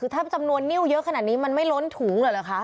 คือถ้าจำนวนนิ้วเยอะขนาดนี้มันไม่ล้นถุงเหรอคะ